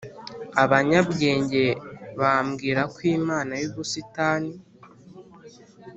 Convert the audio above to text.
abanyabwenge bambwira ko imana yubusitani